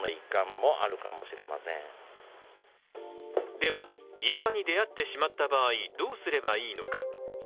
ではイルカに出会ってしまった場合どうすればいいのか。